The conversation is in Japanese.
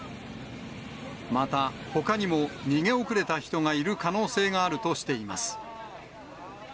また、ほかにも逃げ遅れた人がいる可能性があるとしています。